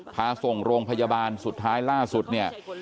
พาส่งโรงพยาบาลสุดท้ายล่าสุดเนี่ย